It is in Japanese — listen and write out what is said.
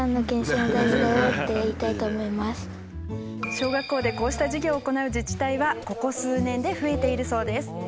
小学校でこうした授業を行う自治体はここ数年で増えているそうです。